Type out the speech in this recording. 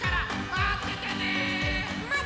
まっててね！